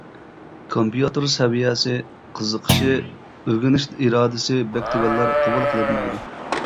كومپيۇتېر سەۋىيەسى، قىزىقىشى، ئۆگىنىش ئىرادىسى بەك تۆۋەنلەر قوبۇل قىلىنمايدۇ.